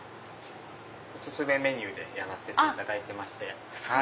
お薦めメニューでやらせていただいてまして。